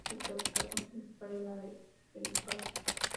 Su preocupación principal era la de educarse.